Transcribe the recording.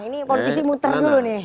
ini politisi muter dulu nih